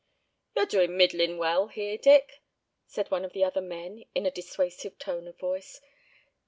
"You're doin' middlin' well here, Dick," said one of the other men in a dissuasive tone of voice.